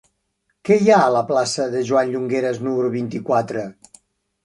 Què hi ha a la plaça de Joan Llongueras número vint-i-quatre?